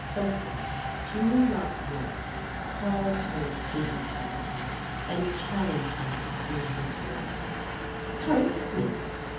Something, she knew not what, caused her to defy him, and challenge him to do his worst " Strike me